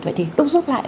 vậy thì đúc rút lại